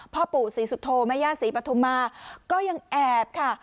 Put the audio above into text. พ่อปู่ศรีสุโธแม่ย่าศรีปฐุมาก็ยังแอบค่ะ